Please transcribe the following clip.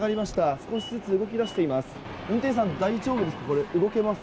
少しずつ動き出しています。